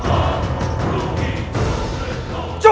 aku tidak berat